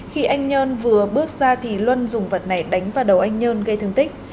khi anh nhân vừa bước ra thì luân dùng vật này đánh vào đầu anh nhân gây thương tích